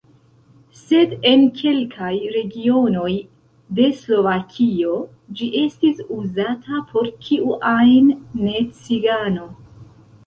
Sed en kelkaj regionoj de Slovakio ĝi estis uzata por kiu ajn ne-cigano.